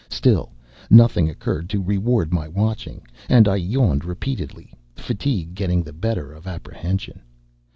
Still nothing occurred to reward my watching; and I yawned repeatedly, fatigue getting the better of apprehension.